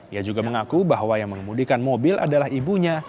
ia juga mengaku bahwa yang mengemudikan mobil adalah ibunya